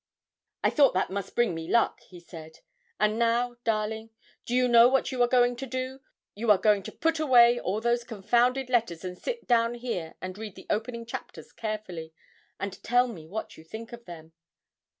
_' 'I thought that must bring me luck,' he said; 'and now, darling, do you know what you are going to do? You are going to put away all those confounded letters and sit down here, and read the opening chapters carefully, and tell me what you think of them.'